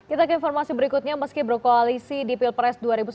kita ke informasi berikutnya meski berkoalisi di pilpres dua ribu sembilan belas